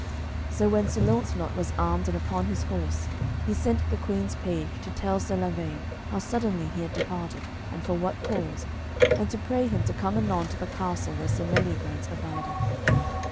So when Sir Launcelot was armed and upon his horse, he sent the Queen's page to tell Sir Lavaine how suddenly he had departed, and for what cause, and to pray him to come anon to the castle where Sir Meliagrance abideth.